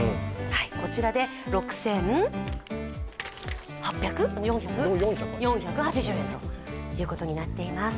こちらで６４８０円ということになっています。